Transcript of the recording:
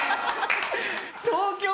東京